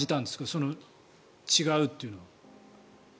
その違うというのは。